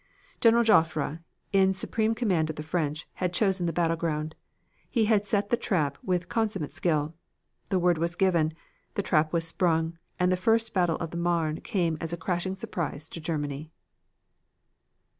General Joffre, in supreme command of the French, had chosen the battleground. He had set the trap with consummate skill. The word was given; the trap was sprung; and the first battle of the Marne came as a crashing surprise to Germany.